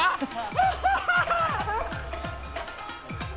アハハハ！